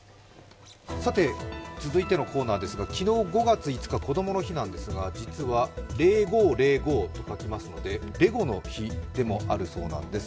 さて、続いてのコーナーですが昨日５月５日こどもの日なんですが実は０５０５と書きますのでレゴの日でもあるそうなんです。